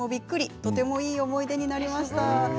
とてもいい思い出になりました。